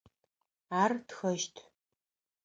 Ар тхэщт.